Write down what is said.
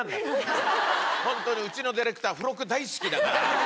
本当にうちのディレクター付録大好きだから。